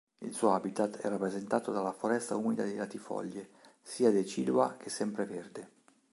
Il suo "habitat" è rappresentato dalla foresta umida di latifoglie, sia decidua che sempreverde.